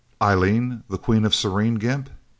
"Eileen, the Queen of Serene? Gimp!